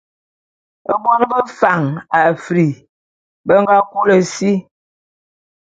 Bon bé Fan Afri be nga kôlô si.